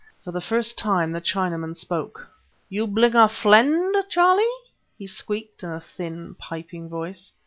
For the first time the Chinaman spoke. "You blinger fliend, Charlie?" he squeaked in a thin, piping voice.